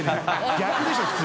逆でしょ普通。